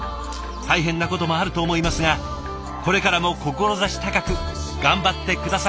大変なこともあると思いますがこれからも志高く頑張って下さい。